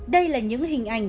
đây là những hình ảnh